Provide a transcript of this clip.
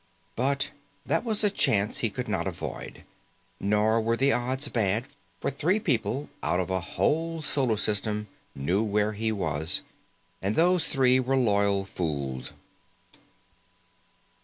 But that was a chance he could not avoid. Nor were the odds bad, for three people out of a whole solar system knew where he was. And those three were loyal fools.